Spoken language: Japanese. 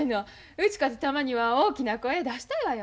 うちかてたまには大きな声出したいわよ。